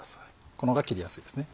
この方が切りやすいですね